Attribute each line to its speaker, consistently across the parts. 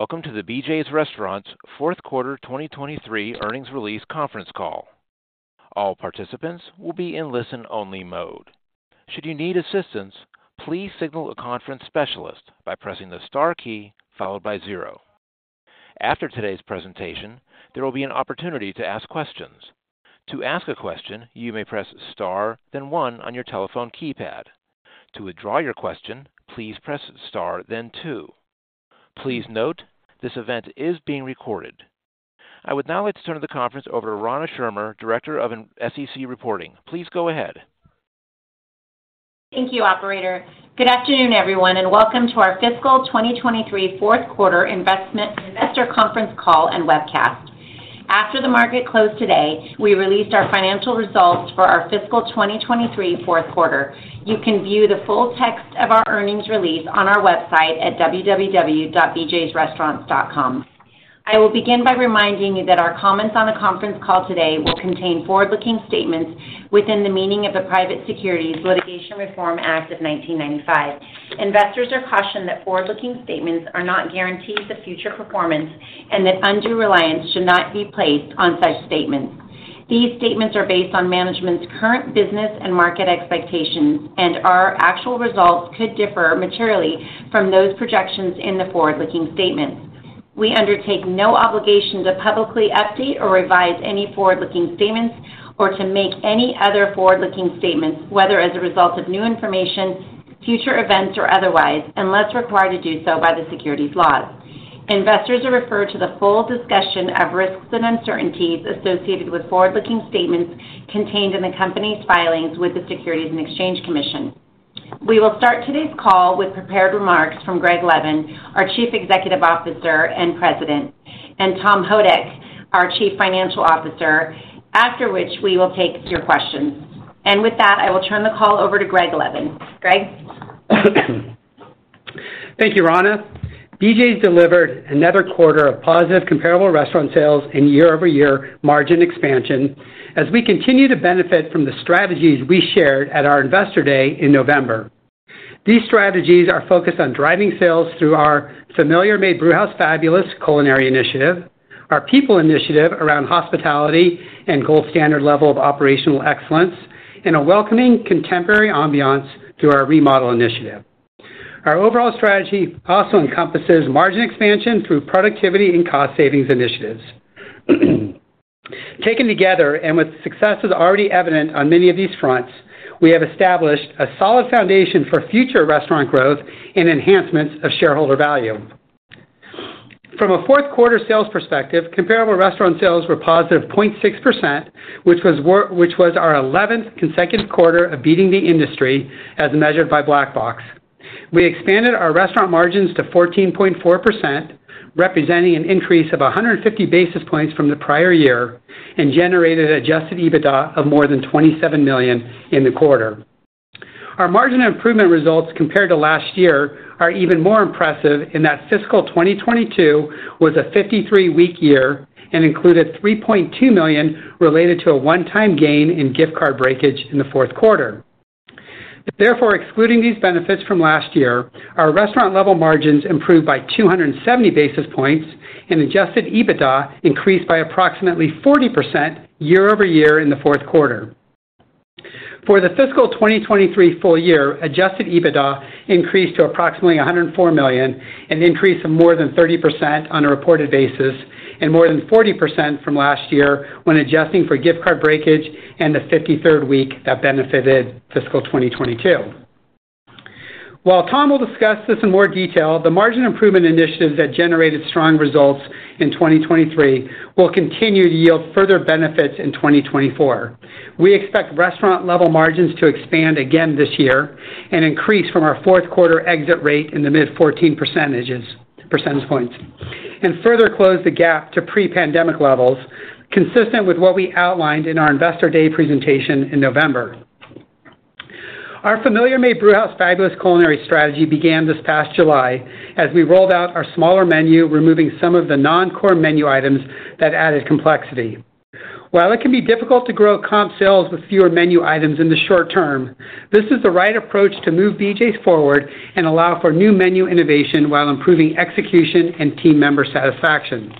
Speaker 1: Welcome to the BJ's Restaurants' Fourth Quarter 2023 Earnings Release Conference Call. All participants will be in listen-only mode. Should you need assistance, please signal a conference specialist by pressing the star key followed by zero. After today's presentation, there will be an opportunity to ask questions. To ask a question, you may press star, then one on your telephone keypad. To withdraw your question, please press star, then two. Please note, this event is being recorded. I would now like to turn the conference over to Rana Schirmer, Director of SEC Reporting. Please go ahead.
Speaker 2: Thank you, Operator. Good afternoon, everyone, and welcome to our Fiscal 2023 Fourth Quarter Investor Conference Call and webcast. After the market closed today, we released our financial results for our Fiscal 2023 Fourth Quarter. You can view the full text of our earnings release on our website at www.bjrestaurants.com. I will begin by reminding you that our comments on the conference call today will contain forward-looking statements within the meaning of the Private Securities Litigation Reform Act of 1995. Investors are cautioned that forward-looking statements are not guaranteed the future performance and that undue reliance should not be placed on such statements. These statements are based on management's current business and market expectations, and our actual results could differ materially from those projections in the forward-looking statements. We undertake no obligation to publicly update or revise any forward-looking statements or to make any other forward-looking statements, whether as a result of new information, future events, or otherwise, unless required to do so by the securities laws. Investors are referred to the full discussion of risks and uncertainties associated with forward-looking statements contained in the company's filings with the Securities and Exchange Commission. We will start today's call with prepared remarks from Greg Levin, our Chief Executive Officer and President, and Tom Houdek, our Chief Financial Officer, after which we will take your questions. And with that, I will turn the call over to Greg Levin. Greg?
Speaker 3: Thank you, Rana. BJ's delivered another quarter of positive comparable restaurant sales and year-over-year margin expansion as we continue to benefit from the strategies we shared at our Investor Day in November. These strategies are focused on driving sales through our Familiar Made Brewhouse Fabulous Culinary Initiative, our People Initiative around hospitality and gold standard level of operational excellence, and a welcoming contemporary ambiance through our remodel initiative. Our overall strategy also encompasses margin expansion through productivity and cost savings initiatives. Taken together and with successes already evident on many of these fronts, we have established a solid foundation for future restaurant growth and enhancements of shareholder value. From a fourth quarter sales perspective, comparable restaurant sales were positive 0.6%, which was our 11th consecutive quarter of beating the industry as measured by Black Box. We expanded our restaurant margins to 14.4%, representing an increase of 150 basis points from the prior year, and generated adjusted EBITDA of more than $27 million in the quarter. Our margin improvement results compared to last year are even more impressive in that Fiscal 2022 was a 53-week year and included $3.2 million related to a one-time gain in gift card breakage in the fourth quarter. Therefore, excluding these benefits from last year, our restaurant-level margins improved by 270 basis points and adjusted EBITDA increased by approximately 40% year-over-year in the fourth quarter. For the Fiscal 2023 full year, adjusted EBITDA increased to approximately $104 million, an increase of more than 30% on a reported basis, and more than 40% from last year when adjusting for gift card breakage and the 53rd week that benefited Fiscal 2022. While Tom will discuss this in more detail, the margin improvement initiatives that generated strong results in 2023 will continue to yield further benefits in 2024. We expect restaurant-level margins to expand again this year and increase from our fourth quarter exit rate in the mid-14 percentage points and further close the gap to pre-pandemic levels consistent with what we outlined in our Investor Day presentation in November. Our Familiar Made Brewhouse Fabulous Culinary strategy began this past July as we rolled out our smaller menu, removing some of the non-core menu items that added complexity. While it can be difficult to grow comp sales with fewer menu items in the short term, this is the right approach to move BJ's forward and allow for new menu innovation while improving execution and team member satisfaction.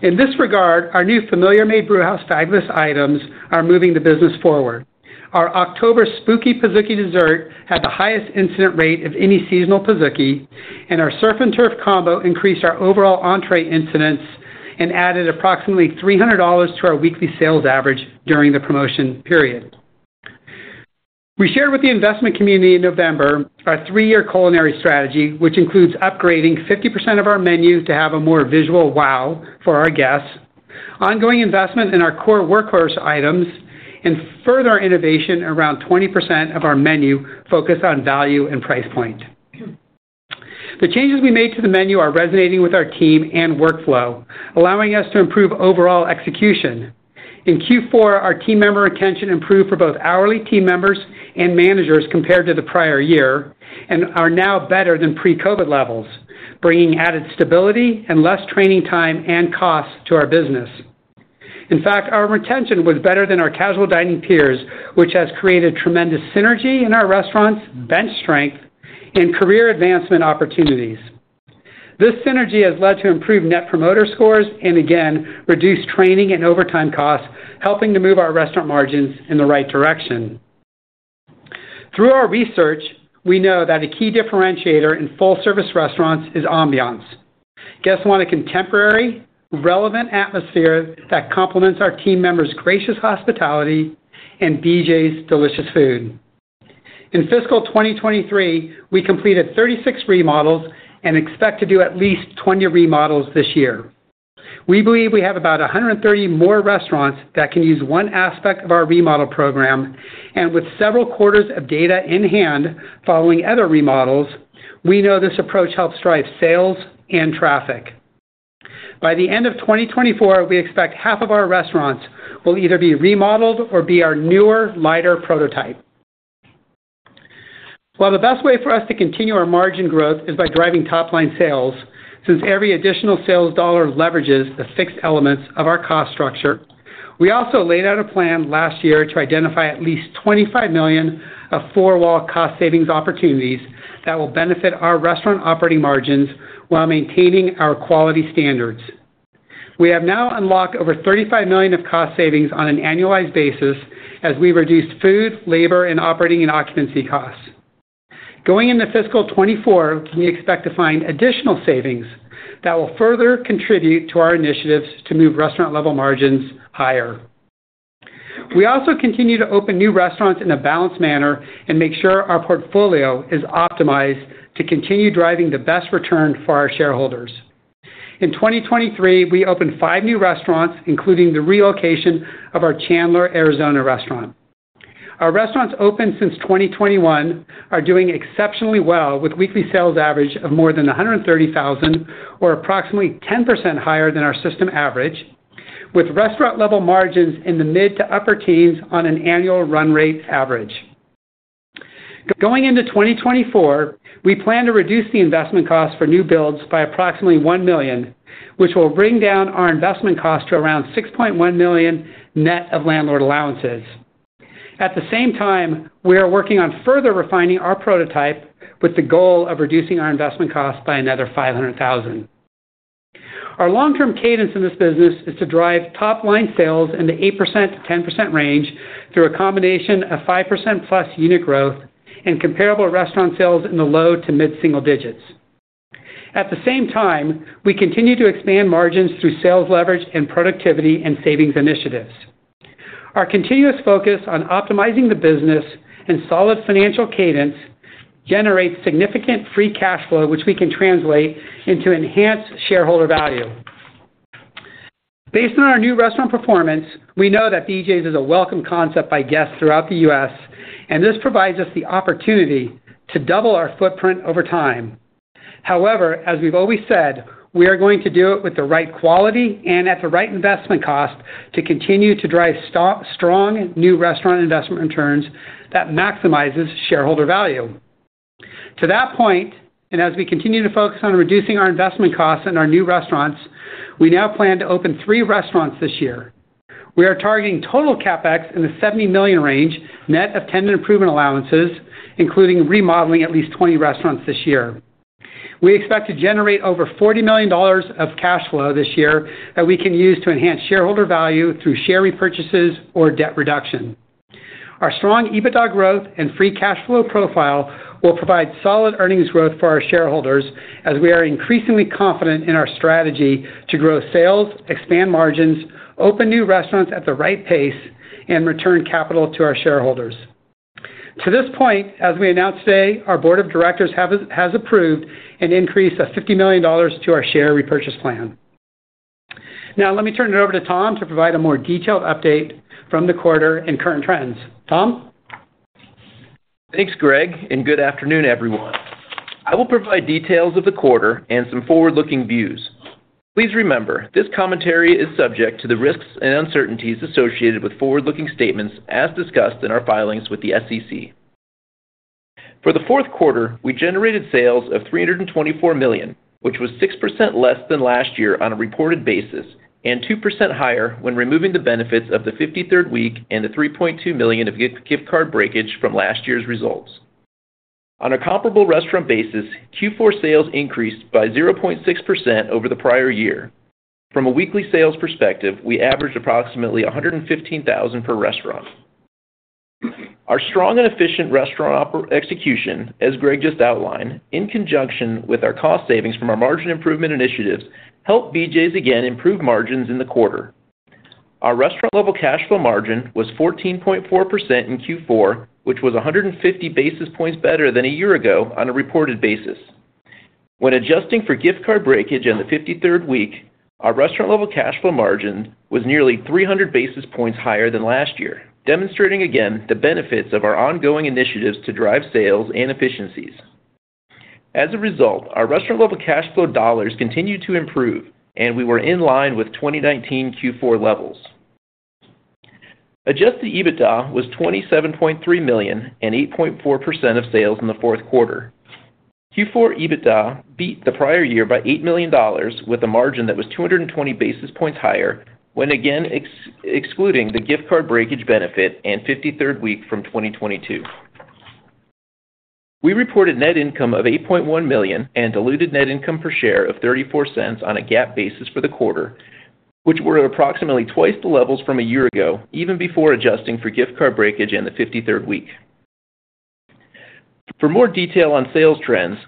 Speaker 3: In this regard, our new Familiar Made Brewhouse Fabulous items are moving the business forward. Our October Spooky Pizookie dessert had the highest incident rate of any seasonal Pizookie, and our Surf and Turf combo increased our overall entrée incidents and added approximately $300 to our weekly sales average during the promotion period. We shared with the investment community in November our three-year culinary strategy, which includes upgrading 50% of our menu to have a more visual wow for our guests, ongoing investment in our core workhorse items, and further innovation around 20% of our menu focused on value and price point. The changes we made to the menu are resonating with our team and workflow, allowing us to improve overall execution. In Q4, our team member retention improved for both hourly team members and managers compared to the prior year and are now better than pre-COVID levels, bringing added stability and less training time and costs to our business. In fact, our retention was better than our casual dining peers, which has created tremendous synergy in our restaurants, bench strength, and career advancement opportunities. This synergy has led to improved Net Promoter Scores and, again, reduced training and overtime costs, helping to move our restaurant margins in the right direction. Through our research, we know that a key differentiator in full-service restaurants is ambiance. Guests want a contemporary, relevant atmosphere that complements our team members' gracious hospitality and BJ's delicious food. In Fiscal 2023, we completed 36 remodels and expect to do at least 20 remodels this year. We believe we have about 130 more restaurants that can use one aspect of our remodel program. With several quarters of data in hand following other remodels, we know this approach helps drive sales and traffic. By the end of 2024, we expect half of our restaurants will either be remodeled or be our newer, lighter prototype. While the best way for us to continue our margin growth is by driving top-line sales, since every additional sales dollar leverages the fixed elements of our cost structure, we also laid out a plan last year to identify at least $25 million of four-wall cost savings opportunities that will benefit our restaurant operating margins while maintaining our quality standards. We have now unlocked over $35 million of cost savings on an annualized basis as we've reduced food, labor, and operating and occupancy costs. Going into Fiscal 2024, we expect to find additional savings that will further contribute to our initiatives to move restaurant-level margins higher. We also continue to open new restaurants in a balanced manner and make sure our portfolio is optimized to continue driving the best return for our shareholders. In 2023, we opened five new restaurants, including the relocation of our Chandler, Arizona restaurant. Our restaurants opened since 2021 are doing exceptionally well, with a weekly sales average of more than 130,000, or approximately 10% higher than our system average, with restaurant-level margins in the mid to upper teens on an annual run rate average. Going into 2024, we plan to reduce the investment costs for new builds by approximately $1 million, which will bring down our investment cost to around $6.1 million net of landlord allowances. At the same time, we are working on further refining our prototype with the goal of reducing our investment costs by another $500,000. Our long-term cadence in this business is to drive top-line sales in the 8% to 10% range through a combination of 5%+ unit growth and comparable restaurant sales in the low to mid-single digits. At the same time, we continue to expand margins through sales leverage and productivity and savings initiatives. Our continuous focus on optimizing the business and solid financial cadence generates significant free cash flow, which we can translate into enhanced shareholder value. Based on our new restaurant performance, we know that BJ's is a welcome concept by guests throughout the U.S., and this provides us the opportunity to double our footprint over time. However, as we've always said, we are going to do it with the right quality and at the right investment cost to continue to drive strong new restaurant investment returns that maximize shareholder value. To that point, and as we continue to focus on reducing our investment costs in our new restaurants, we now plan to open three restaurants this year. We are targeting total CapEx in the $70 million range net of tenant improvement allowances, including remodeling at least 20 restaurants this year. We expect to generate over $40 million of cash flow this year that we can use to enhance shareholder value through share repurchases or debt reduction. Our strong EBITDA growth and free cash flow profile will provide solid earnings growth for our shareholders as we are increasingly confident in our strategy to grow sales, expand margins, open new restaurants at the right pace, and return capital to our shareholders. To this point, as we announced today, our Board of Directors has approved an increase of $50 million to our share repurchase plan. Now, let me turn it over to Tom to provide a more detailed update from the quarter and current trends. Tom?
Speaker 4: Thanks, Greg, and good afternoon, everyone. I will provide details of the quarter and some forward-looking views. Please remember, this commentary is subject to the risks and uncertainties associated with forward-looking statements as discussed in our filings with the SEC. For the fourth quarter, we generated sales of $324 million, which was 6% less than last year on a reported basis and 2% higher when removing the benefits of the 53rd week and the $3.2 million of gift card breakage from last year's results. On a comparable restaurant basis, Q4 sales increased by 0.6% over the prior year. From a weekly sales perspective, we averaged approximately $115,000 per restaurant. Our strong and efficient restaurant execution, as Greg just outlined, in conjunction with our cost savings from our margin improvement initiatives, helped BJ's again improve margins in the quarter. Our restaurant-level cash flow margin was 14.4% in Q4, which was 150 basis points better than a year ago on a reported basis. When adjusting for gift card breakage in the 53rd week, our restaurant-level cash flow margin was nearly 300 basis points higher than last year, demonstrating again the benefits of our ongoing initiatives to drive sales and efficiencies. As a result, our restaurant-level cash flow dollars continued to improve, and we were in line with 2019 Q4 levels. Adjusted EBITDA was $27.3 million and 8.4% of sales in the fourth quarter. Q4 EBITDA beat the prior year by $8 million, with a margin that was 220 basis points higher when, again, excluding the gift card breakage benefit and 53rd week from 2022. We reported net income of $8.1 million and diluted net income per share of $0.34 on a GAAP basis for the quarter, which were approximately twice the levels from a year ago, even before adjusting for gift card breakage in the 53rd week. For more detail on sales trends,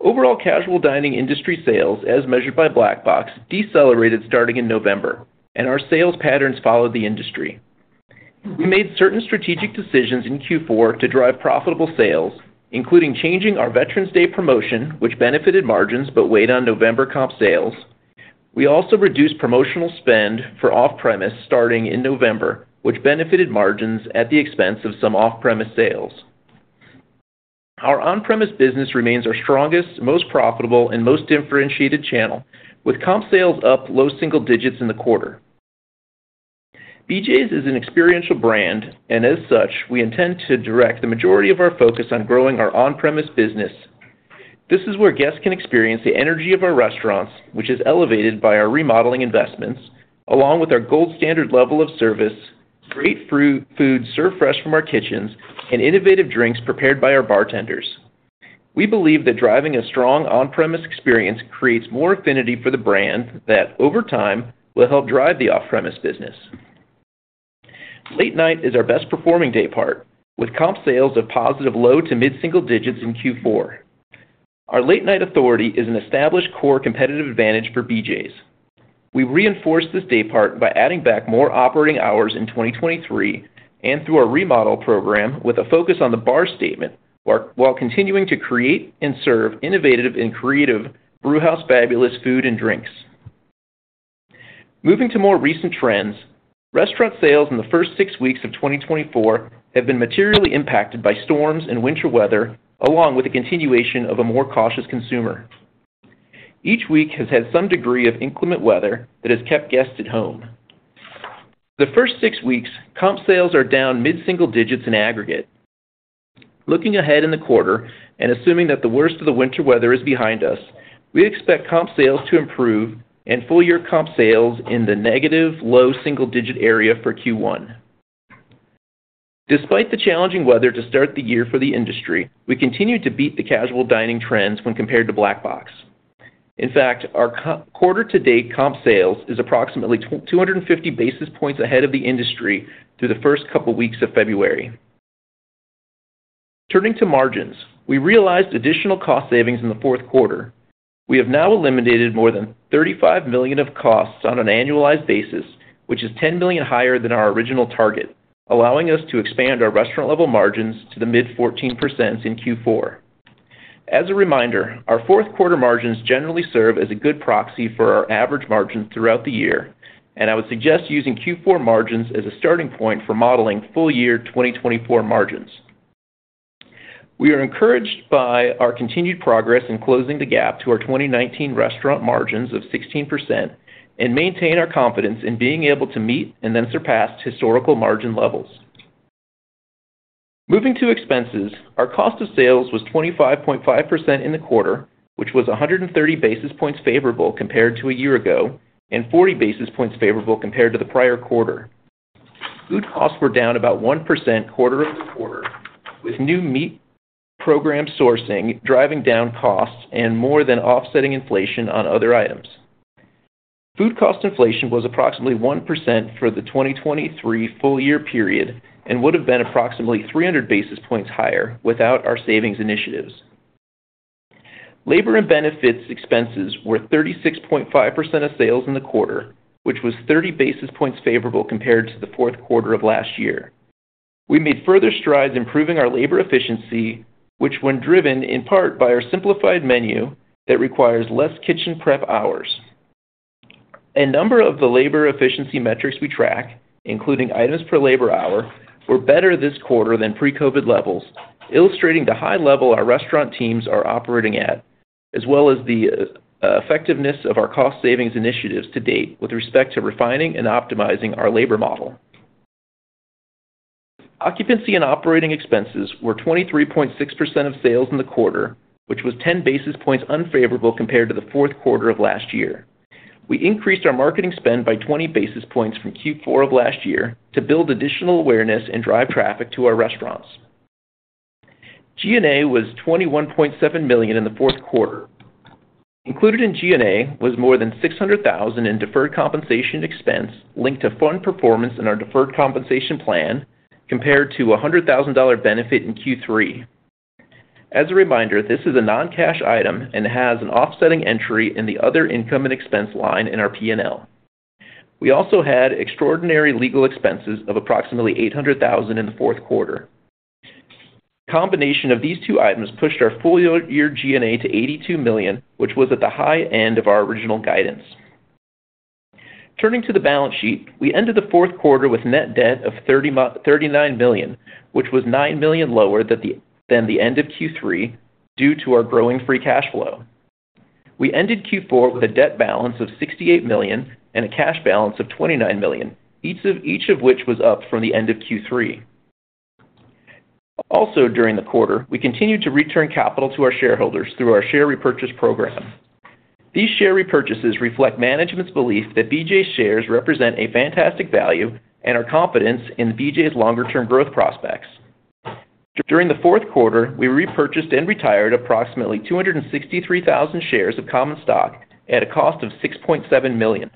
Speaker 4: overall casual dining industry sales, as measured by Black Box, decelerated starting in November, and our sales patterns followed the industry. We made certain strategic decisions in Q4 to drive profitable sales, including changing our Veterans Day promotion, which benefited margins but weighed on November comp sales. We also reduced promotional spend for off-premise starting in November, which benefited margins at the expense of some off-premise sales. Our on-premise business remains our strongest, most profitable, and most differentiated channel, with comp sales up low single digits in the quarter. BJ's is an experiential brand, and as such, we intend to direct the majority of our focus on growing our on-premise business. This is where guests can experience the energy of our restaurants, which is elevated by our remodeling investments, along with our gold standard level of service, great food served fresh from our kitchens, and innovative drinks prepared by our bartenders. We believe that driving a strong on-premise experience creates more affinity for the brand that, over time, will help drive the off-premise business. Late night is our best-performing day part, with comp sales of positive low to mid-single digits in Q4. Our late night authority is an established core competitive advantage for BJ's. We reinforced this day part by adding back more operating hours in 2023 and through our remodel program with a focus on the bar statement while continuing to create and serve innovative and creative Brewhouse Fabulous food and drinks. Moving to more recent trends, restaurant sales in the first six weeks of 2024 have been materially impacted by storms and winter weather, along with the continuation of a more cautious consumer. Each week has had some degree of inclement weather that has kept guests at home. The first six weeks, comp sales are down mid-single digits in aggregate. Looking ahead in the quarter and assuming that the worst of the winter weather is behind us, we expect comp sales to improve and full-year comp sales in the negative low single digit area for Q1. Despite the challenging weather to start the year for the industry, we continue to beat the casual dining trends when compared to Black Box. In fact, our quarter-to-date comp sales is approximately 250 basis points ahead of the industry through the first couple of weeks of February. Turning to margins, we realized additional cost savings in the fourth quarter. We have now eliminated more than $35 million of costs on an annualized basis, which is $10 million higher than our original target, allowing us to expand our restaurant-level margins to the mid-14% in Q4. As a reminder, our fourth quarter margins generally serve as a good proxy for our average margins throughout the year, and I would suggest using Q4 margins as a starting point for modeling full-year 2024 margins. We are encouraged by our continued progress in closing the gap to our 2019 restaurant margins of 16% and maintain our confidence in being able to meet and then surpass historical margin levels. Moving to expenses, our cost of sales was 25.5% in the quarter, which was 130 basis points favorable compared to a year ago and 40 basis points favorable compared to the prior quarter. Food costs were down about 1% quarter-over-quarter, with new meat program sourcing driving down costs and more than offsetting inflation on other items. Food cost inflation was approximately 1% for the 2023 full-year period and would have been approximately 300 basis points higher without our savings initiatives. Labor and benefits expenses were 36.5% of sales in the quarter, which was 30 basis points favorable compared to the fourth quarter of last year. We made further strides improving our labor efficiency, which was driven in part by our simplified menu that requires less kitchen prep hours. A number of the labor efficiency metrics we track, including items per labor hour, were better this quarter than pre-COVID levels, illustrating the high level our restaurant teams are operating at, as well as the effectiveness of our cost savings initiatives to date with respect to refining and optimizing our labor model. Occupancy and operating expenses were 23.6% of sales in the quarter, which was 10 basis points unfavorable compared to the fourth quarter of last year. We increased our marketing spend by 20 basis points from Q4 of last year to build additional awareness and drive traffic to our restaurants. G&A was $21.7 million in the fourth quarter. Included in G&A was more than $600,000 in deferred compensation expense linked to fund performance in our deferred compensation plan compared to a $100,000 benefit in Q3. As a reminder, this is a non-cash item and has an offsetting entry in the other income and expense line in our P&L. We also had extraordinary legal expenses of approximately $800,000 in the fourth quarter. A combination of these two items pushed our full-year G&A to $82 million, which was at the high end of our original guidance. Turning to the balance sheet, we ended the fourth quarter with net debt of $39 million, which was $9 million lower than the end of Q3 due to our growing free cash flow. We ended Q4 with a debt balance of $68 million and a cash balance of $29 million, each of which was up from the end of Q3. Also, during the quarter, we continued to return capital to our shareholders through our share repurchase program. These share repurchases reflect management's belief that BJ's shares represent a fantastic value and our confidence in BJ's longer-term growth prospects. During the fourth quarter, we repurchased and retired approximately 263,000 shares of common stock at a cost of $6.7 million.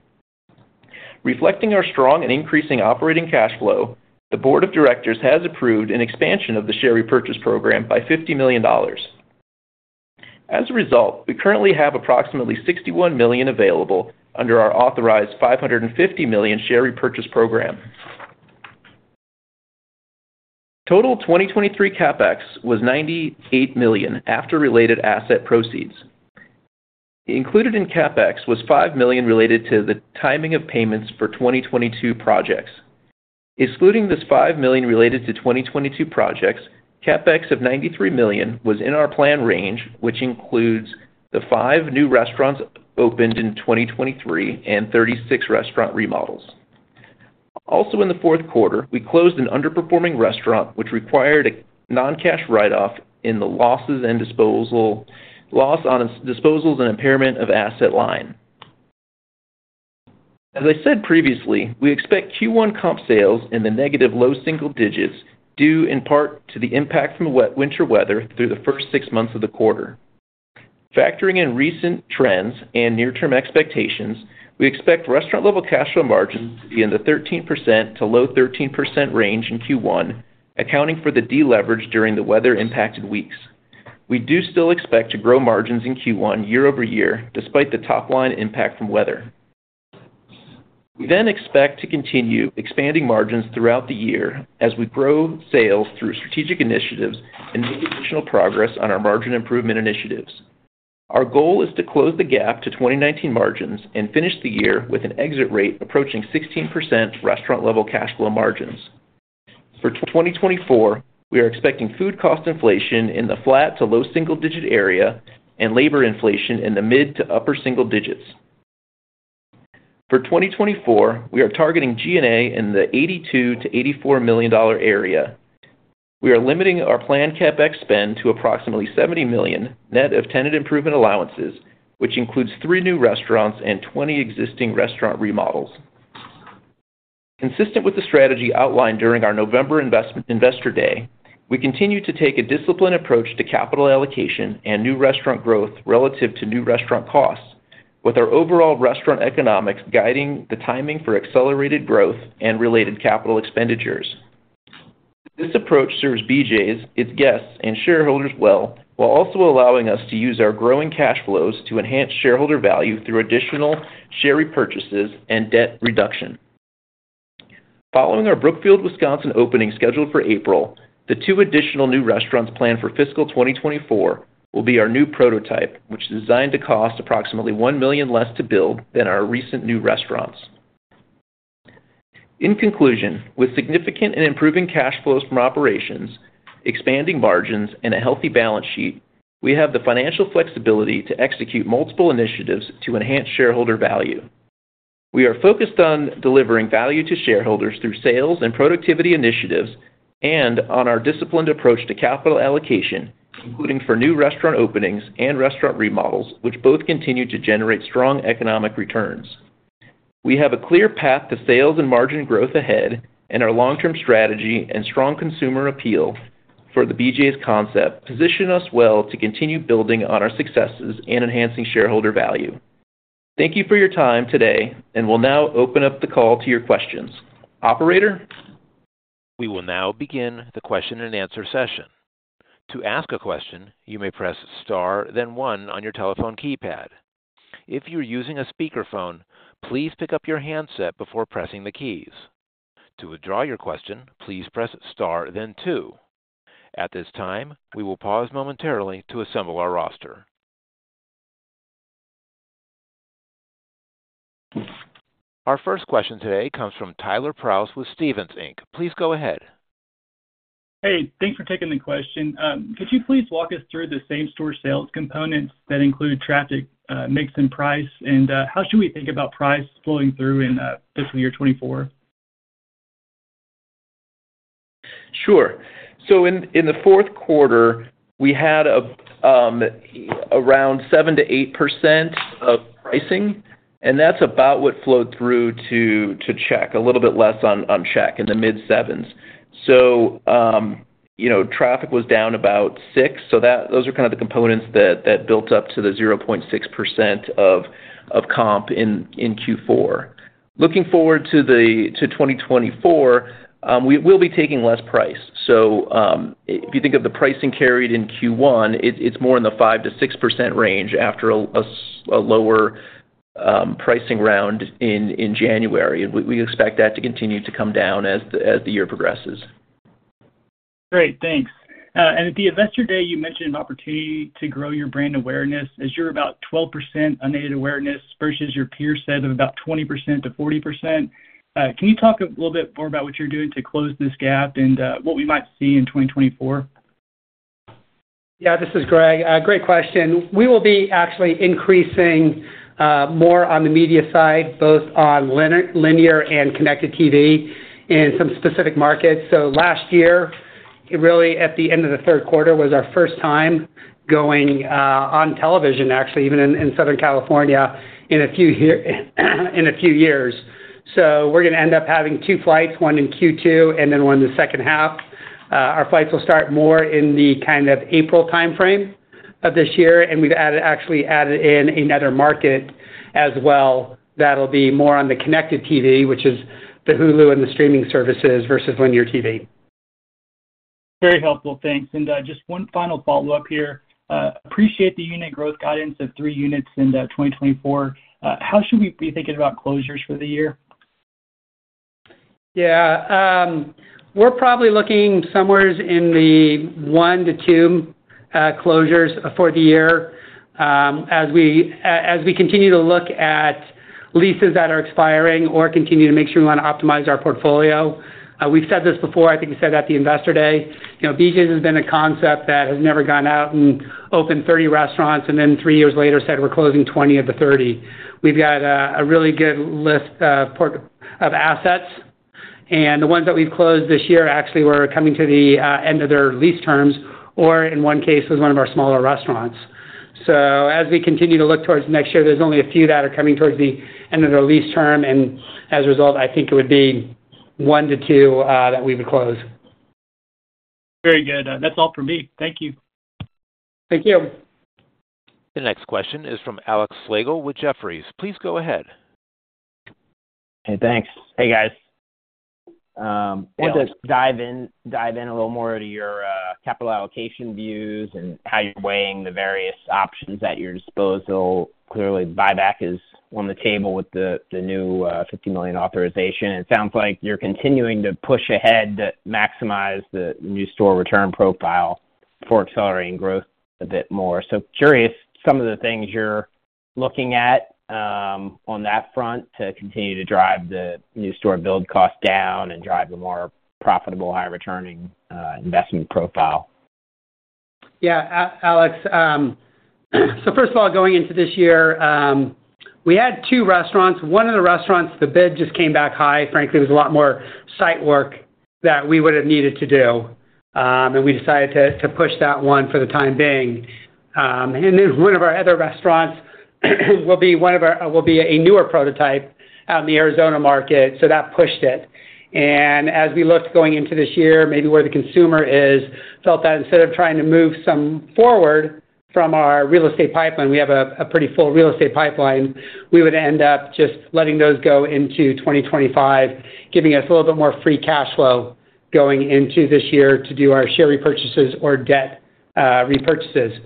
Speaker 4: Reflecting our strong and increasing operating cash flow, the Board of Directors has approved an expansion of the share repurchase program by $50 million. As a result, we currently have approximately $61 million available under our authorized $550 million share repurchase program. Total 2023 CapEx was $98 million after related asset proceeds. Included in CapEx was $5 million related to the timing of payments for 2022 projects. Excluding this $5 million related to 2022 projects, CapEx of $93 million was in our plan range, which includes the five new restaurants opened in 2023 and 36 restaurant remodels. Also, in the fourth quarter, we closed an underperforming restaurant, which required a non-cash write-off in the losses and disposals and impairment of asset line. As I said previously, we expect Q1 comp sales in the -low single digits due in part to the impact from winter weather through the first six months of the quarter. Factoring in recent trends and near-term expectations, we expect restaurant-level cash flow margins to be in the 13%-low 13% range in Q1, accounting for the deleverage during the weather-impacted weeks. We do still expect to grow margins in Q1 year-over-year despite the top-line impact from weather. We then expect to continue expanding margins throughout the year as we grow sales through strategic initiatives and make additional progress on our margin improvement initiatives. Our goal is to close the gap to 2019 margins and finish the year with an exit rate approaching 16% restaurant-level cash flow margins. For 2024, we are expecting food cost inflation in the flat to low single digit area and labor inflation in the mid to upper single digits. For 2024, we are targeting G&A in the $82 to $84 million area. We are limiting our planned CapEx spend to approximately $70 million net of tenant improvement allowances, which includes three new restaurants and 20 existing restaurant remodels. Consistent with the strategy outlined during our November Investor Day, we continue to take a disciplined approach to capital allocation and new restaurant growth relative to new restaurant costs, with our overall restaurant economics guiding the timing for accelerated growth and related capital expenditures. This approach serves BJ's, its guests, and shareholders well while also allowing us to use our growing cash flows to enhance shareholder value through additional share repurchases and debt reduction. Following our Brookfield, Wisconsin opening scheduled for April, the two additional new restaurants planned for fiscal 2024 will be our new prototype, which is designed to cost approximately $1 million less to build than our recent new restaurants. In conclusion, with significant and improving cash flows from operations, expanding margins, and a healthy balance sheet, we have the financial flexibility to execute multiple initiatives to enhance shareholder value. We are focused on delivering value to shareholders through sales and productivity initiatives and on our disciplined approach to capital allocation, including for new restaurant openings and restaurant remodels, which both continue to generate strong economic returns. We have a clear path to sales and margin growth ahead, and our long-term strategy and strong consumer appeal for the BJ's concept position us well to continue building on our successes and enhancing shareholder value. Thank you for your time today, and we'll now open up the call to your questions. Operator?
Speaker 1: We will now begin the question-and-answer session. To ask a question, you may press star, then one on your telephone keypad. If you're using a speakerphone, please pick up your handset before pressing the keys. To withdraw your question, please press star, then two. At this time, we will pause momentarily to assemble our roster. Our first question today comes from Tyler Prause with Stephens Inc. Please go ahead.
Speaker 5: Hey, thanks for taking the question. Could you please walk us through the same-store sales components that include traffic, mix, and price, and how should we think about price flowing through in fiscal year 2024?
Speaker 4: Sure. So in the fourth quarter, we had around 7% to 8% of pricing, and that's about what flowed through to check, a little bit less on check, in the mid-sevens. So traffic was down about six. So those are kind of the components that built up to the 0.6% of comp in Q4. Looking forward to 2024, we'll be taking less price. So if you think of the pricing carried in Q1, it's more in the 5% to 6% range after a lower pricing round in January. We expect that to continue to come down as the year progresses.
Speaker 5: Great. Thanks. And at the Investor Day, you mentioned an opportunity to grow your brand awareness. As you're about 12% unaided awareness versus your peer said of about 20% to 40%, can you talk a little bit more about what you're doing to close this gap and what we might see in 2024?
Speaker 3: Yeah. This is Greg. Great question. We will be actually increasing more on the media side, both on linear and connected TV in some specific markets. So last year, really at the end of the third quarter, was our first time going on television, actually, even in Southern California in a few years. So we're going to end up having two flights, one in Q2 and then one in the second half. Our flights will start more in the kind of April timeframe of this year. We've actually added in another market as well that'll be more on the Connected TV, which is the Hulu and the streaming services versus Linear TV.
Speaker 5: Very helpful. Thanks. Just one final follow-up here. I appreciate the unit growth guidance of three units in 2024. How should we be thinking about closures for the year?
Speaker 3: Yeah. We're probably looking somewhere in the one to two closures for the year as we continue to look at leases that are expiring or continue to make sure we want to optimize our portfolio. We've said this before. I think we said that the Investor Day. BJ's has been a concept that has never gone out and opened 30 restaurants and then three years later said, "We're closing 20 of the 30." We've got a really good list of assets. And the ones that we've closed this year actually were coming to the end of their lease terms or, in one case, was one of our smaller restaurants. So as we continue to look towards next year, there's only a few that are coming towards the end of their lease term. And as a result, I think it would be one to two that we would close.
Speaker 5: Very good. That's all from me. Thank you.
Speaker 3: Thank you.
Speaker 1: The next question is from Alex Slagle with Jefferies. Please go ahead.
Speaker 6: Hey, thanks. Hey, guys. Want to dive in a little more into your capital allocation views and how you're weighing the various options at your disposal. Clearly, buyback is on the table with the new $50 million authorization. It sounds like you're continuing to push ahead to maximize the new store return profile for accelerating growth a bit more. So curious some of the things you're looking at on that front to continue to drive the new store build cost down and drive a more profitable, high-returning investment profile.
Speaker 4: Yeah, Alex. So first of all, going into this year, we had two restaurants. One of the restaurants, the bid just came back high. Frankly, it was a lot more site work that we would have needed to do. And we decided to push that one for the time being. And then one of our other restaurants will be a newer prototype out in the Arizona market. So that pushed it. And as we looked going into this year, maybe where the consumer is, felt that instead of trying to move some forward from our real estate pipeline - we have a pretty full real estate pipeline - we would end up just letting those go into 2025, giving us a little bit more free cash flow going into this year to do our share repurchases or debt repurchases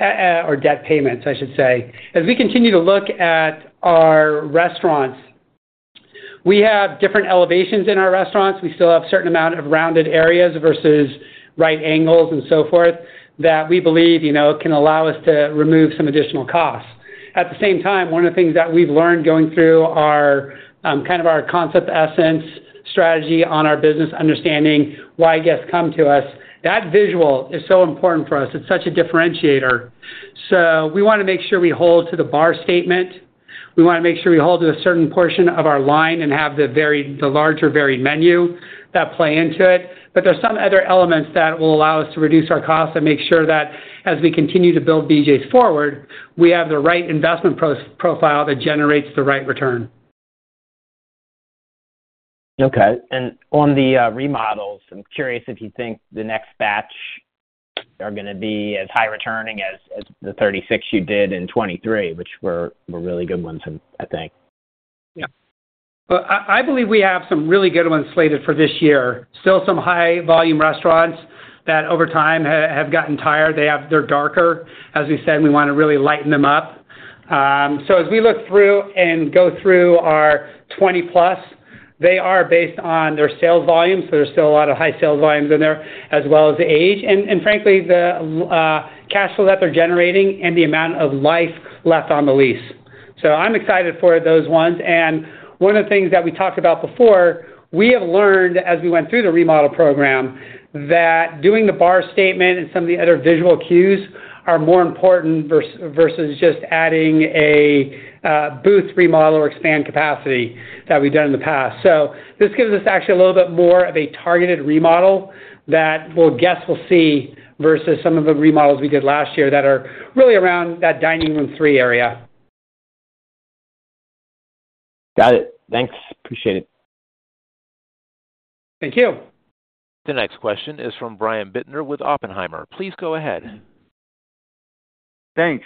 Speaker 4: or debt payments, I should say. As we continue to look at our restaurants, we have different elevations in our restaurants. We still have a certain amount of rounded areas versus right angles and so forth that we believe can allow us to remove some additional costs. At the same time, one of the things that we've learned going through kind of our concept essence strategy on our business, understanding why guests come to us, that visual is so important for us. It's such a differentiator. So we want to make sure we hold to the bar statement. We want to make sure we hold to a certain portion of our line and have the larger varied menu that play into it. But there's some other elements that will allow us to reduce our costs and make sure that as we continue to build BJ's forward, we have the right investment profile that generates the right return.
Speaker 6: Okay. And on the remodels, I'm curious if you think the next batch are going to be as high-returning as the 36 you did in 2023, which were really good ones, I think.
Speaker 4: Yeah. Well, I believe we have some really good ones slated for this year. Still some high-volume restaurants that over time have gotten tired. They're darker. As we said, we want to really lighten them up. So as we look through and go through our 20-plus, they are based on their sales volume. So there's still a lot of high sales volumes in there as well as the age and, frankly, the cash flow that they're generating and the amount of life left on the lease. So I'm excited for those ones. And one of the things that we talked about before, we have learned as we went through the remodel program that doing the bar statement and some of the other visual cues are more important versus just adding a booth, remodel, or expand capacity that we've done in the past. So this gives us actually a little bit more of a targeted remodel that guests will see versus some of the remodels we did last year that are really around that dining room three area.
Speaker 6: Got it. Thanks. Appreciate it.
Speaker 4: Thank you.
Speaker 1: The next question is from Brian Bittner with Oppenheimer. Please go ahead.
Speaker 7: Thanks.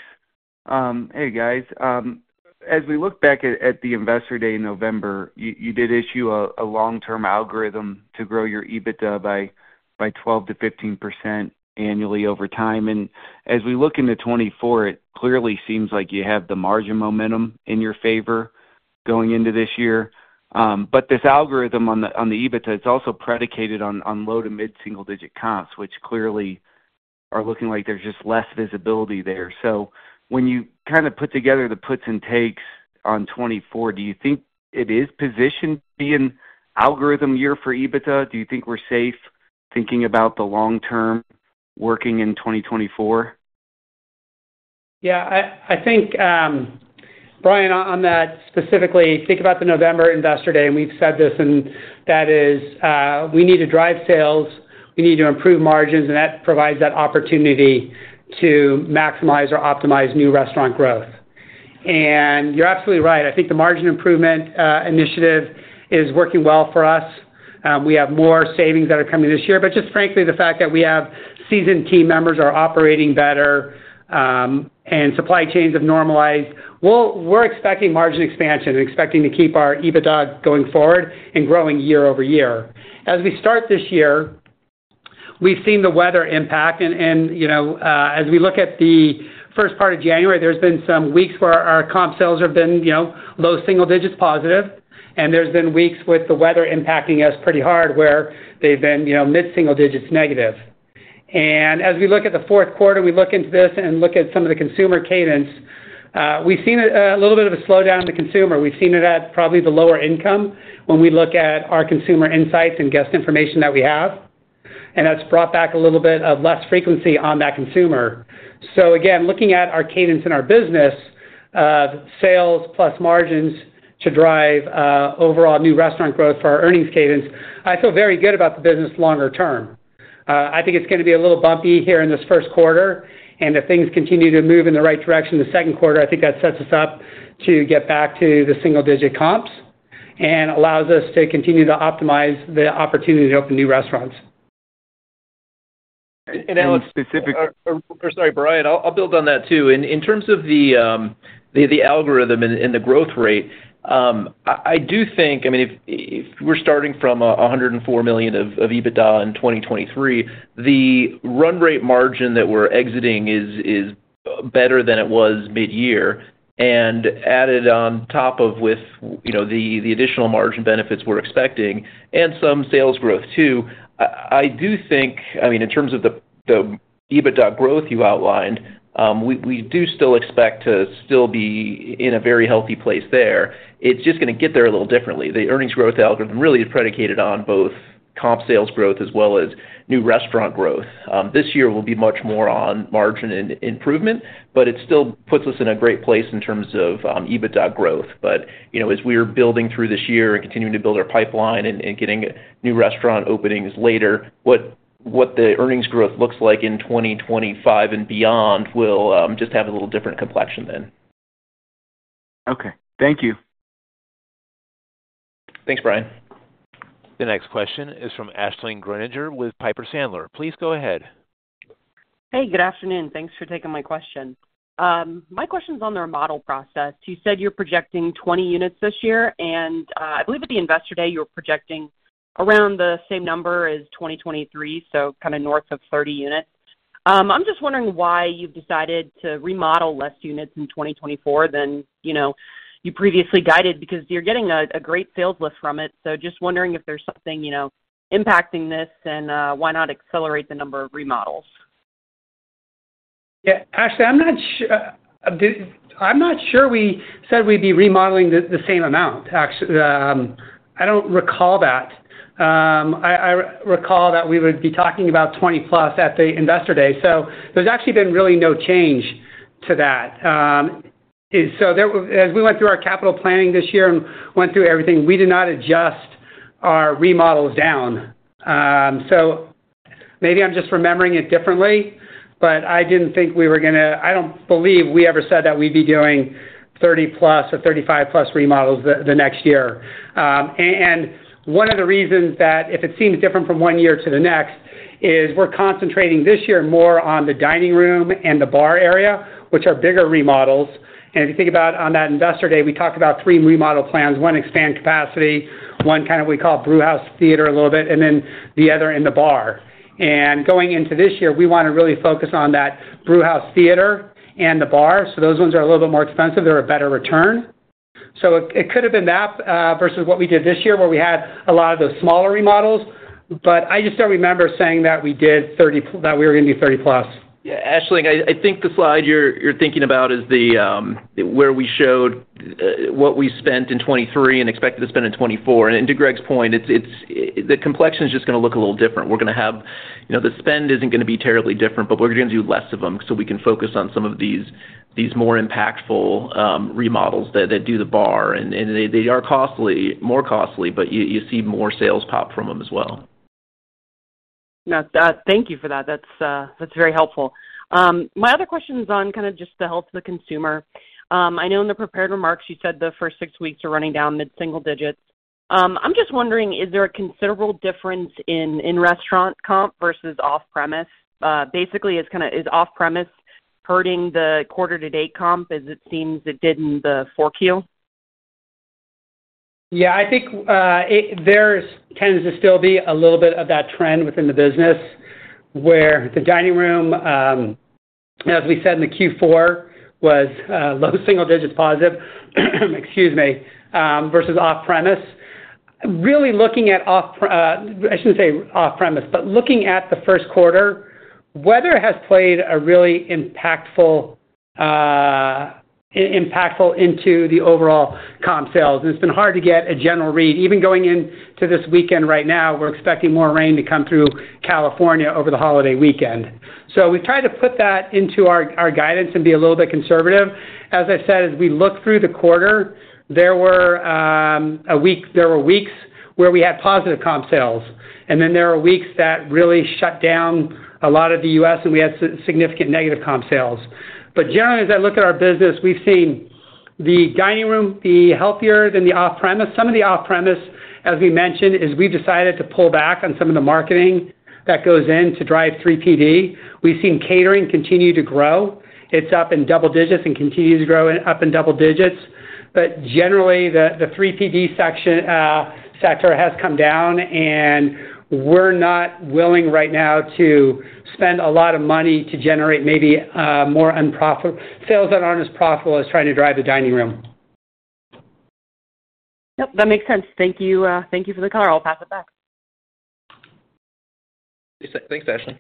Speaker 7: Hey, guys. As we look back at the Investor Day in November, you did issue a long-term algorithm to grow your EBITDA by 12% to 15% annually over time. And as we look into 2024, it clearly seems like you have the margin momentum in your favor going into this year. But this algorithm on the EBITDA, it's also predicated on low to mid-single digit comps, which clearly are looking like there's just less visibility there. So when you kind of put together the puts and takes on 2024, do you think it is positioned to be an algorithm year for EBITDA? Do you think we're safe thinking about the long-term working in 2024?
Speaker 4: Yeah. I think, Brian, on that specifically, think about the November Investor Day. We've said this, and that is we need to drive sales. We need to improve margins. That provides that opportunity to maximize or optimize new restaurant growth. You're absolutely right. I think the margin improvement initiative is working well for us. We have more savings that are coming this year. But just frankly, the fact that we have seasoned team members are operating better and supply chains have normalized, we're expecting margin expansion and expecting to keep our EBITDA going forward and growing year over year. As we start this year, we've seen the weather impact. As we look at the first part of January, there's been some weeks where our comp sales have been low single digits positive. There's been weeks with the weather impacting us pretty hard where they've been mid-single digits negative. As we look at the fourth quarter, we look into this and look at some of the consumer cadence. We've seen a little bit of a slowdown in the consumer. We've seen it at probably the lower income when we look at our consumer insights and guest information that we have. And that's brought back a little bit of less frequency on that consumer. So again, looking at our cadence in our business of sales plus margins to drive overall new restaurant growth for our earnings cadence, I feel very good about the business longer term. I think it's going to be a little bumpy here in this first quarter. And if things continue to move in the right direction the second quarter, I think that sets us up to get back to the single-digit comps and allows us to continue to optimize the opportunity to open new restaurants.
Speaker 3: Alex, specifically or sorry, Brian. I'll build on that too. In terms of the algorithm and the growth rate, I do think I mean, if we're starting from $104 million of EBITDA in 2023, the run-rate margin that we're exiting is better than it was mid-year and added on top of with the additional margin benefits we're expecting and some sales growth too. I do think I mean, in terms of the EBITDA growth you outlined, we do still expect to still be in a very healthy place there. It's just going to get there a little differently. The earnings growth algorithm really is predicated on both comp sales growth as well as new restaurant growth. This year will be much more on margin improvement, but it still puts us in a great place in terms of EBITDA growth. But as we're building through this year and continuing to build our pipeline and getting new restaurant openings later, what the earnings growth looks like in 2025 and beyond will just have a little different complexion than.
Speaker 7: Okay. Thank you.
Speaker 4: Thanks, Brian.
Speaker 1: The next question is from Ashlyne Grunninger with Piper Sandler. Please go ahead.
Speaker 8: Hey. Good afternoon. Thanks for taking my question. My question's on the remodel process. You said you're projecting 20 units this year. And I believe at the Investor Day, you were projecting around the same number as 2023, so kind of north of 30 units. I'm just wondering why you've decided to remodel less units in 2024 than you previously guided because you're getting a great sales lift from it. So just wondering if there's something impacting this and why not accelerate the number of remodels.
Speaker 3: Yeah.Actually, I'm not sure we said we'd be remodeling the same amount, actually. I don't recall that. I recall that we would be talking about 20+ at the Investor Day. So there's actually been really no change to that. So as we went through our capital planning this year and went through everything, we did not adjust our remodels down. So maybe I'm just remembering it differently, but I didn't think we were going to. I don't believe we ever said that we'd be doing 30+ or 35+ remodels the next year. And one of the reasons that if it seems different from one year to the next is we're concentrating this year more on the dining room and the bar area, which are bigger remodels. And if you think about on that Investor Day, we talked about three remodel plans. One expand capacity, one kind of what we call Brewhouse Theater a little bit, and then the other in the bar. And going into this year, we want to really focus on that Brewhouse Theater and the bar. So those ones are a little bit more expensive. They're a better return. So it could have been that versus what we did this year where we had a lot of those smaller remodels. But I just don't remember saying that we were going to be 30+.
Speaker 4: Yeah. Ashlyne, I think the slide you're thinking about is where we showed what we spent in 2023 and expected to spend in 2024. And to Greg's point, the complexion is just going to look a little different. We're going to have the spend isn't going to be terribly different, but we're going to do less of them so we can focus on some of these more impactful remodels that do the bar. And they are more costly, but you see more sales pop from them as well.
Speaker 8: Thank you for that. That's very helpful. My other question's on kind of just the health of the consumer. I know in the prepared remarks, you said the first six weeks are running down mid-single digits. I'm just wondering, is there a considerable difference in restaurant comp versus off-premise? Basically, is off-premise hurting the quarter-to-date comp as it seems it did in the forecast?
Speaker 3: Yeah. I think there tends to still be a little bit of that trend within the business where the dining room, as we said in the Q4, was low single digits positive - excuse me - versus off-premise. Really looking at off, I shouldn't say off-premise, but looking at the first quarter, weather has played a really impactful into the overall comp sales. And it's been hard to get a general read. Even going into this weekend right now, we're expecting more rain to come through California over the holiday weekend. So we've tried to put that into our guidance and be a little bit conservative. As I said, as we look through the quarter, there were weeks where we had positive comp sales. And then there were weeks that really shut down a lot of the U.S., and we had significant negative comp sales. But generally, as I look at our business, we've seen the dining room be healthier than the off-premise. Some of the off-premise, as we mentioned, is we've decided to pull back on some of the marketing that goes in to drive 3PD. We've seen catering continue to grow. It's up in double digits and continues to grow up in double digits. But generally, the 3PD sector has come down. And we're not willing right now to spend a lot of money to generate maybe more unprofitable sales that aren't as profitable as trying to drive the dining room.
Speaker 9: Yep. That makes sense. Thank you for the call. I'll pass it back.
Speaker 4: Thanks, Ashleyne.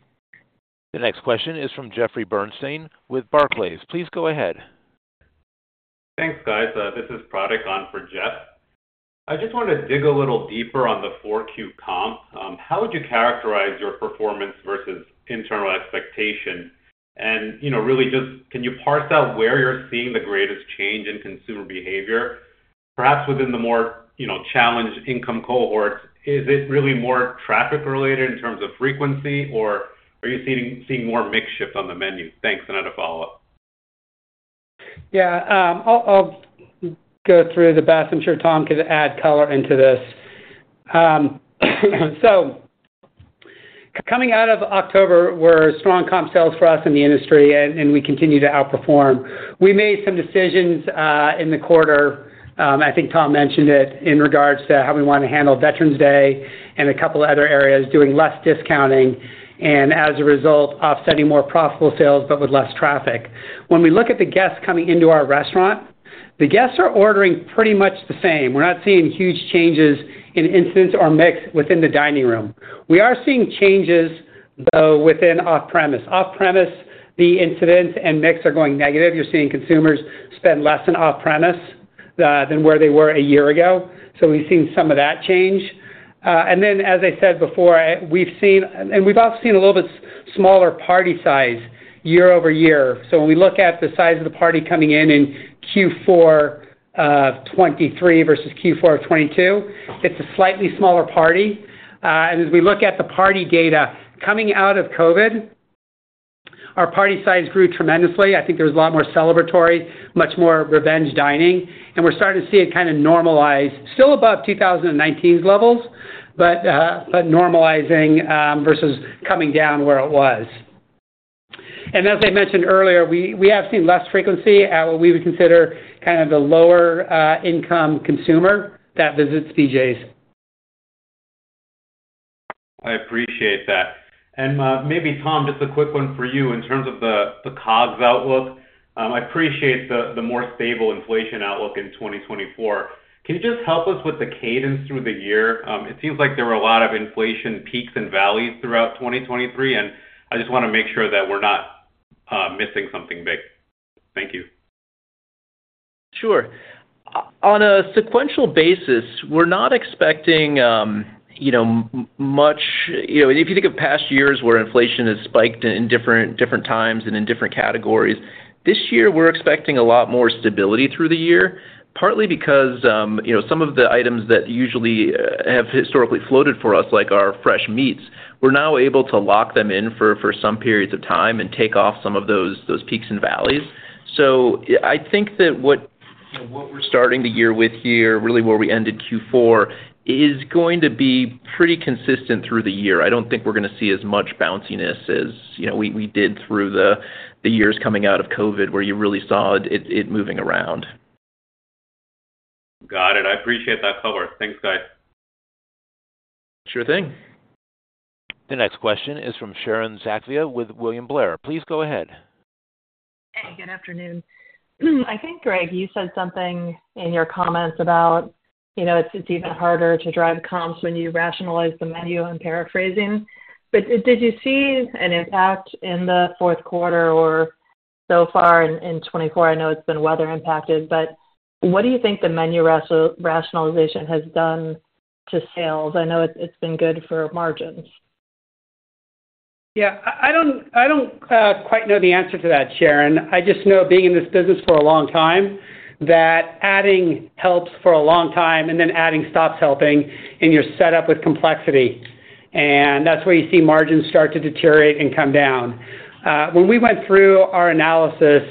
Speaker 1: The next question is from Jeffrey Bernstein with Barclays. Please go ahead.
Speaker 10: Thanks, guys. This is Pratik on for Jeff. I just want to dig a little deeper on the four Q comp. How would you characterize your performance versus internal expectation? And really, just can you parse out where you're seeing the greatest change in consumer behavior, perhaps within the more challenged income cohorts? Is it really more traffic-related in terms of frequency, or are you seeing more mix shift on the menu? Thanks. And I had a follow-up.
Speaker 3: Yeah. I'll go through the best. I'm sure Tom could add color into this. So coming out of October, we're strong comp sales for us in the industry, and we continue to outperform. We made some decisions in the quarter. I think Tom mentioned it in regards to how we want to handle Veterans Day and a couple of other areas, doing less discounting and, as a result, offsetting more profitable sales but with less traffic. When we look at the guests coming into our restaurant, the guests are ordering pretty much the same. We're not seeing huge changes in incidents or mix within the dining room. We are seeing changes, though, within off-premise. Off-premise, the incidents and mix are going negative. You're seeing consumers spend less in off-premise than where they were a year ago. We've seen some of that change. Then, as I said before, we've seen and we've also seen a little bit smaller party size year-over-year. When we look at the size of the party coming in in Q4 of 2023 versus Q4 of 2022, it's a slightly smaller party. As we look at the party data coming out of COVID, our party size grew tremendously. I think there was a lot more celebratory, much more revenge dining. And we're starting to see it kind of normalize, still above 2019's levels, but normalizing versus coming down where it was. And as I mentioned earlier, we have seen less frequency at what we would consider kind of the lower-income consumer that visits BJ's.
Speaker 10: I appreciate that. And maybe, Tom, just a quick one for you in terms of the COGS outlook. I appreciate the more stable inflation outlook in 2024. Can you just help us with the cadence through the year? It seems like there were a lot of inflation peaks and valleys throughout 2023. And I just want to make sure that we're not missing something big. Thank you.
Speaker 4: Sure. On a sequential basis, we're not expecting much if you think of past years where inflation has spiked in different times and in different categories. This year, we're expecting a lot more stability through the year, partly because some of the items that usually have historically floated for us, like our fresh meats, we're now able to lock them in for some periods of time and take off some of those peaks and valleys. So I think that what we're starting the year with here, really where we ended Q4, is going to be pretty consistent through the year. I don't think we're going to see as much bounciness as we did through the years coming out of COVID where you really saw it moving around.
Speaker 10: Got it. I appreciate that cover. Thanks, guys.
Speaker 4: Sure thing.
Speaker 1: The next question is from Sharon Zackfia with William Blair. Please go ahead. Hey.
Speaker 11: Good afternoon. I think, Greg, you said something in your comments about it's even harder to drive comps when you rationalize the menu and paraphrasing. But did you see an impact in the fourth quarter or so far in 2024? I know it's been weather-impacted. But what do you think the menu rationalization has done to sales? I know it's been good for margins.
Speaker 3: Yeah. I don't quite know the answer to that, Sharon. I just know, being in this business for a long time, that adding helps for a long time, and then adding stops helping, and you're set up with complexity. And that's where you see margins start to deteriorate and come down. When we went through our analysis,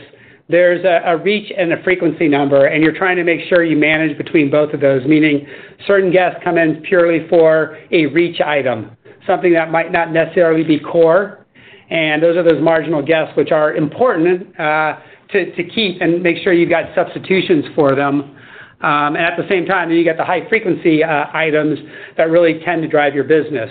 Speaker 3: there's a reach and a frequency number. You're trying to make sure you manage between both of those, meaning certain guests come in purely for a reach item, something that might not necessarily be core. Those are those marginal guests which are important to keep and make sure you've got substitutions for them. At the same time, then you get the high-frequency items that really tend to drive your business.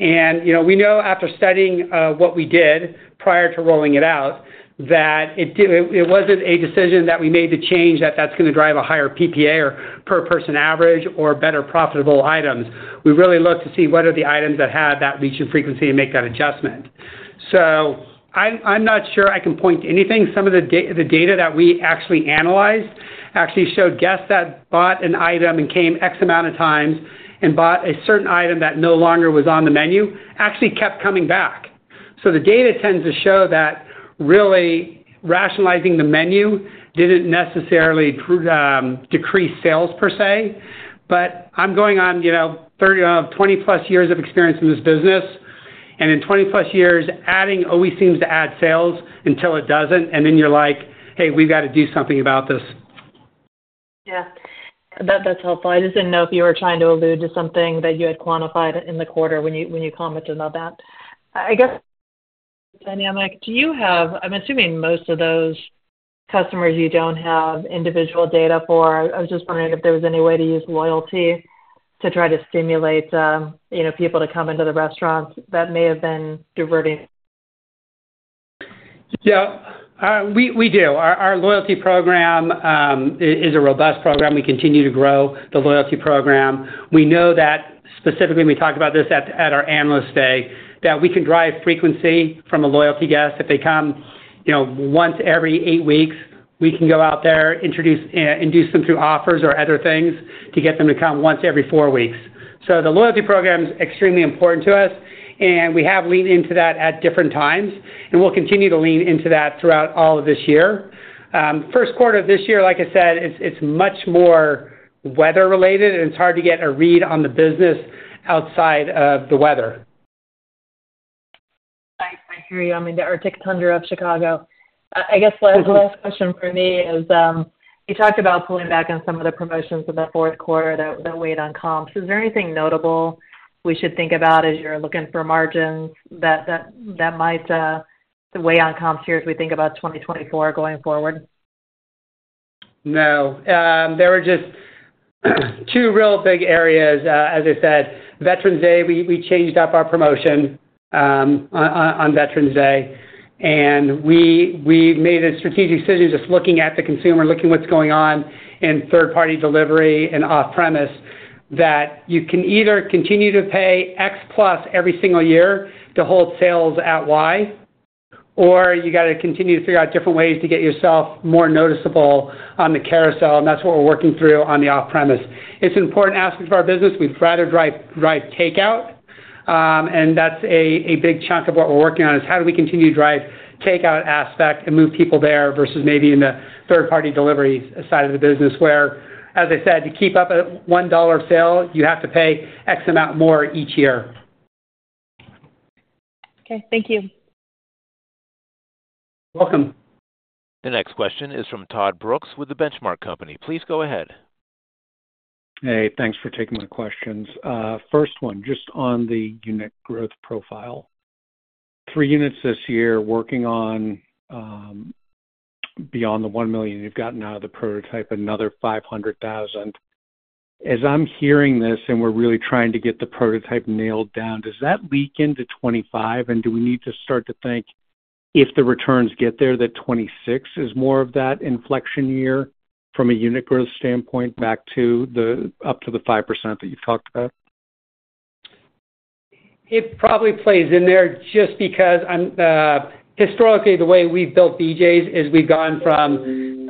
Speaker 3: And we know, after studying what we did prior to rolling it out, that it wasn't a decision that we made to change that that's going to drive a higher PPA or per-person average or better profitable items. We really looked to see, what are the items that had that reach and frequency and make that adjustment? So I'm not sure I can point to anything. Some of the data that we actually analyzed actually showed guests that bought an item and came X amount of times and bought a certain item that no longer was on the menu actually kept coming back. So the data tends to show that really rationalizing the menu didn't necessarily decrease sales per se. But I'm going on 20+ years of experience in this business. And in 20+ years, adding always seems to add sales until it doesn't. And then you're like, "Hey, we've got to do something about this."
Speaker 11: Yeah. That's helpful. I just didn't know if you were trying to allude to something that you had quantified in the quarter when you commented on that. I guess, dynamic, do you have. I'm assuming most of those customers, you don't have individual data for. I was just wondering if there was any way to use loyalty to try to stimulate people to come into the restaurants that may have been diverting.
Speaker 3: Yeah. We do. Our loyalty program is a robust program. We continue to grow the loyalty program. We know that, specifically, and we talked about this at our Analyst Day, that we can drive frequency from a loyalty guest. If they come once every eight weeks, we can go out there, induce them through offers or other things to get them to come once every four weeks. So the loyalty program is extremely important to us. And we have leaned into that at different times. And we'll continue to lean into that throughout all of this year. First quarter of this year, like I said, it's much more weather-related. And it's hard to get a read on the business outside of the weather.
Speaker 11: I hear you. I'm in the Arctic tundra of Chicago. I guess the last question for me is you talked about pulling back on some of the promotions in the fourth quarter that weighed on comps. Is there anything notable we should think about as you're looking for margins that might weigh on comps here as we think about 2024 going forward?
Speaker 3: No. There were just two real big areas. As I said, Veterans Day, we changed up our promotion on Veterans Day. And we made a strategic decision, just looking at the consumer, looking at what's going on in third-party delivery and off-premise, that you can either continue to pay X plus every single year to hold sales at Y, or you got to continue to figure out different ways to get yourself more noticeable on the carousel. And that's what we're working through on the off-premise. It's an important aspect of our business. We'd rather drive takeout. And that's a big chunk of what we're working on is, how do we continue to drive takeout aspect and move people there versus maybe in the third-party delivery side of the business where, as I said, to keep up at $1 sale, you have to pay X amount more each year.
Speaker 11: Okay. Thank you.
Speaker 1: Welcome. The next question is from Todd Brooks with The Benchmark Company. Please go ahead.
Speaker 12: Hey. Thanks for taking my questions. First one, just on the unit growth profile. Three units this year working on beyond the $1 million you've gotten out of the prototype, another 500,000. As I'm hearing this, and we're really trying to get the prototype nailed down, does that leak into 2025? And do we need to start to think, if the returns get there, that 2026 is more of that inflection year from a unit growth standpoint back up to the 5% that you've talked about?
Speaker 3: It probably plays in there just because, historically, the way we've built BJ's is we've gone from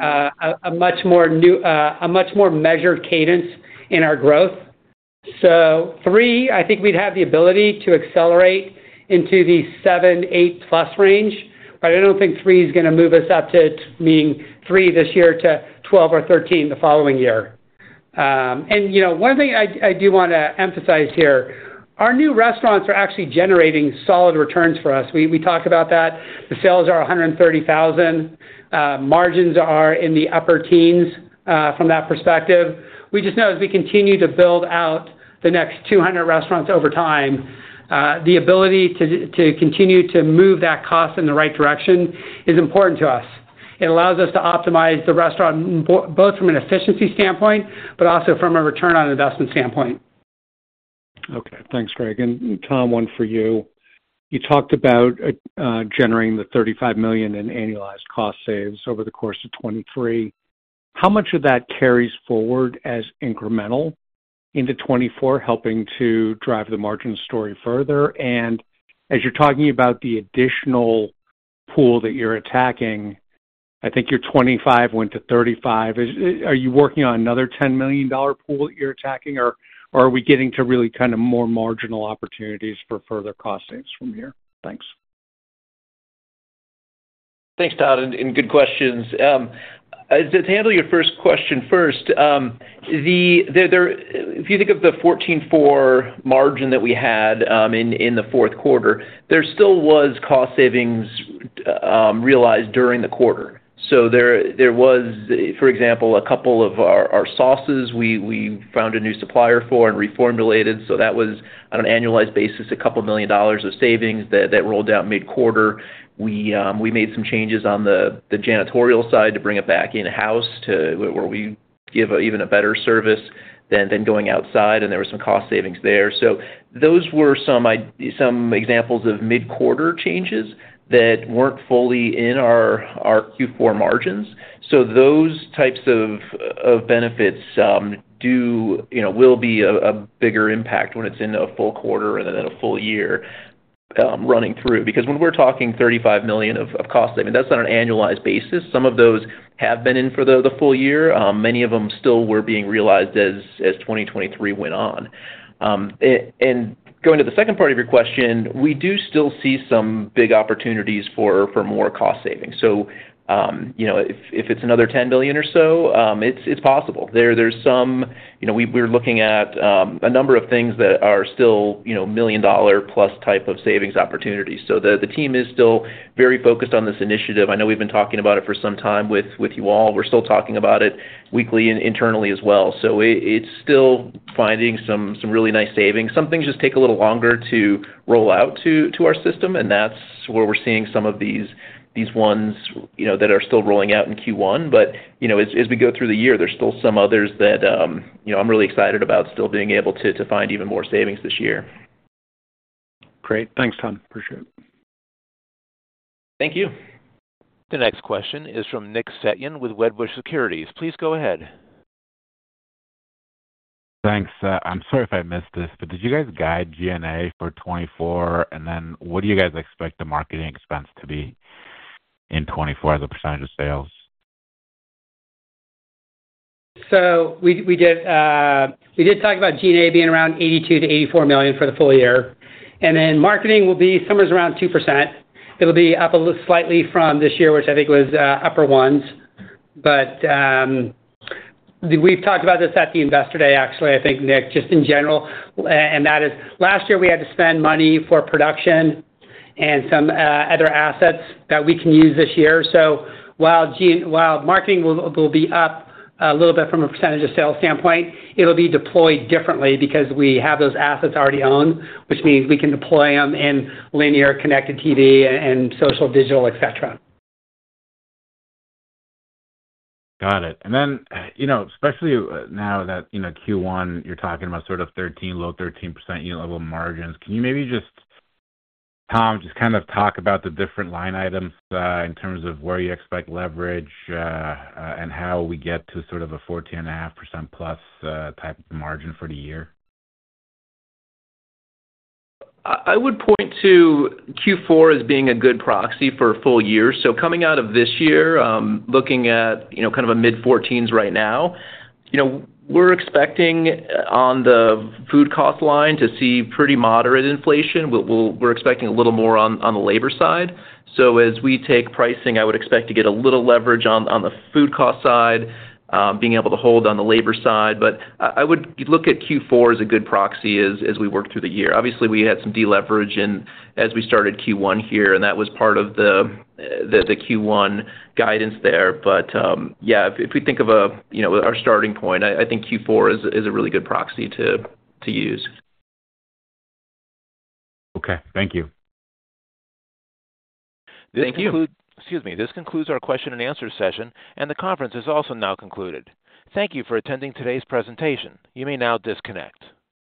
Speaker 3: a much more measured cadence in our growth. So three, I think we'd have the ability to accelerate into the 7-8+ range. But I don't think three is going to move us up to meaning three this year to 12 or 13 the following year. And one thing I do want to emphasize here, our new restaurants are actually generating solid returns for us. We talk about that. The sales are $130,000. Margins are in the upper teens from that perspective. We just know, as we continue to build out the next 200 restaurants over time, the ability to continue to move that cost in the right direction is important to us. It allows us to optimize the restaurant both from an efficiency standpoint but also from a return on investment standpoint.
Speaker 12: Okay. Thanks, Greg. And Tom, one for you. You talked about generating the $35 million in annualized cost saves over the course of 2023. How much of that carries forward as incremental into 2024, helping to drive the margin story further? And as you're talking about the additional pool that you're attacking, I think your $25 million went to $35 million. Are you working on another $10 million pool that you're attacking, or are we getting to really kind of more marginal opportunities for further cost saves from here? Thanks.
Speaker 4: Thanks, Todd. And good questions. To handle your first question first, if you think of the 14.4% margin that we had in the fourth quarter, there still was cost savings realized during the quarter. So there was, for example, a couple of our sauces we found a new supplier for and reformulated. So that was, on an annualized basis, $2 million of savings that rolled out mid-quarter. We made some changes on the janitorial side to bring it back in-house where we give even a better service than going outside. And there were some cost savings there. So those were some examples of mid-quarter changes that weren't fully in our Q4 margins. So those types of benefits will be a bigger impact when it's in a full quarter and then a full year running through because when we're talking $35 million of cost saving, that's on an annualized basis. Some of those have been in for the full year. Many of them still were being realized as 2023 went on. And going to the second part of your question, we do still see some big opportunities for more cost savings. So if it's another $10 million or so, it's possible. There's some we're looking at a number of things that are still $1 million-plus type of savings opportunities. So the team is still very focused on this initiative. I know we've been talking about it for some time with you all. We're still talking about it weekly and internally as well. So it's still finding some really nice savings. Some things just take a little longer to roll out to our system. And that's where we're seeing some of these ones that are still rolling out in Q1. But as we go through the year, there's still some others that I'm really excited about still being able to find even more savings this year.
Speaker 12: Great. Thanks, Tom. Appreciate it.
Speaker 4: Thank you.
Speaker 1: The next question is from Nick Setyan with Wedbush Securities. Please go ahead.
Speaker 13: Thanks. I'm sorry if I missed this, but did you guys guide G&A for 2024? And then what do you guys expect the marketing expense to be in 2024 as a percentage of sales?
Speaker 3: So we did talk about G&A being around $82 million-$84 million for the full year. And then marketing will be somewhere around 2%. It'll be up a little slightly from this year, which I think was upper ones. But we've talked about this at the Investor Day, actually, I think, Nick, just in general. That is, last year, we had to spend money for production and some other assets that we can use this year. So while marketing will be up a little bit from a percentage of sales standpoint, it'll be deployed differently because we have those assets already owned, which means we can deploy them in Linear TV, Connected TV, and social, digital, etc.
Speaker 13: Got it. And then, especially now that Q1, you're talking about sort of low 13% unit-level margins. Can you maybe just, Tom, just kind of talk about the different line items in terms of where you expect leverage and how we get to sort of a 14.5%+ type of margin for the year?
Speaker 4: I would point to Q4 as being a good proxy for a full year. So coming out of this year, looking at kind of a mid-14s right now, we're expecting, on the food cost line, to see pretty moderate inflation. We're expecting a little more on the labor side. So as we take pricing, I would expect to get a little leverage on the food cost side, being able to hold on the labor side. But I would look at Q4 as a good proxy as we work through the year. Obviously, we had some deleverage as we started Q1 here. And that was part of the Q1 guidance there. But yeah, if we think of our starting point, I think Q4 is a really good proxy to use.
Speaker 13: Okay. Thank you.
Speaker 3: Thank you.
Speaker 1: Excuse me. This concludes our question and answer session. And the conference is also now concluded. Thank you for attending today's presentation. You may now disconnect.